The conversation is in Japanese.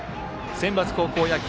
センバツ高校野球